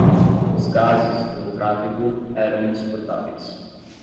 Os gases do tráfego eram insuportáveis.